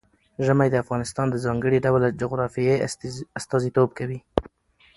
ژمی د افغانستان د ځانګړي ډول جغرافیه استازیتوب کوي.